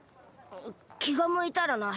きがむいたらな。